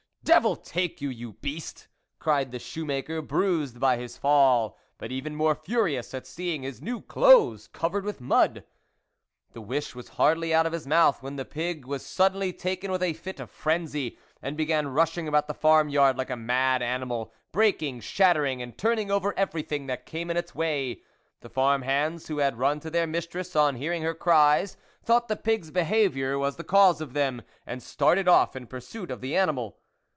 " Devil take you, you beast !" cried the shoe maker, bruised by his fall, but even more furious at seeing his new clothes covered with mud. The wish was hardly out of his mouth, when the pig was suddenly taken with a fit of frenzy, and began rushing about the farm yard like a mad animal, breaking, shattering, and turning over everything that came in its way. The farm hands, who had run to their mistress on hearing her cries, thought the pig's behaviour was the cause of them and started off in pursuit of the animal.